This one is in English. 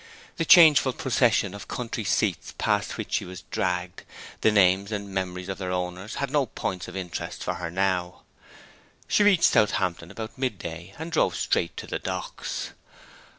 The changeful procession of country seats past which she was dragged, the names and memories of their owners, had no points of interest for her now. She reached Southampton about midday, and drove straight to the docks.